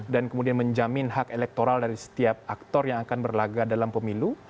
dan kemudian menjamin hak elektoral dari setiap aktor yang akan berlagak dalam pemilu